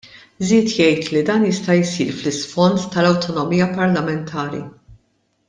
Żied jgħid li dan jista' jsir fl-isfond tal-awtonomija parlamentari.